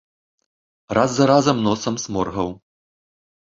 Раз за разам носам сморгаў.